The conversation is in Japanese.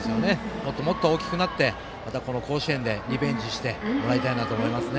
もっともっと大きくなってこの甲子園でリベンジしてもらいたいなと思いますね。